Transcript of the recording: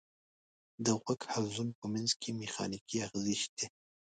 د غوږ حلزون په منځ کې مېخانیکي آخذې شته.